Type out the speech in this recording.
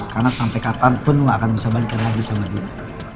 karena sampe kapanpun lo gak akan bisa balik lagi sama dia